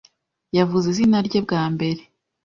Yavuze izina rye bwa mbere.